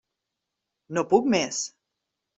No puc més!